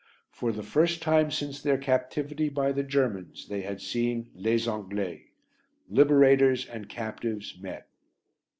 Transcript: For the first time since their captivity by the Germans they had seen "les Anglais." Liberators and captives met!